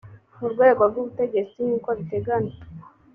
mu rwego rw ubutegetsi nk uko biteganywa